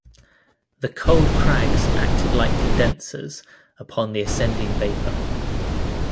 The cold crags acted like condensers upon the ascending vapour.